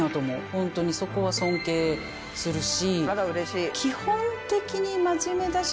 本当にそこは尊敬するし。